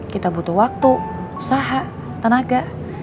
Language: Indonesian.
kita butuh waktu usaha tenaga